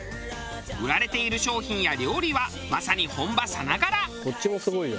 売られている商品や料理はまさに本場さながら。